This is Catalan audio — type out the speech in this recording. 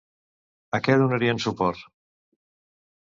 A què donarien suport?